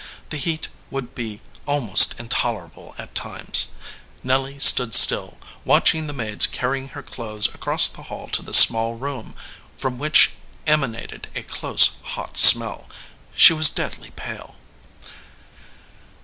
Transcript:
The heat would be almost intolerable at times. Nelly stood still, watching the maids carrying her clothes across the hall to this small room, from which emanated a close, hot smell. She was deadly pale.